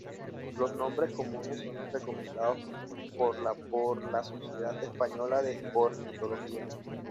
Los nombres comunes son los recomendados por la por la Sociedad Española de Ornitología.